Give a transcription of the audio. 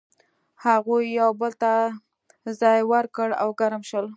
هغوی یو بل ته ځای ورکړ او ګرم شول.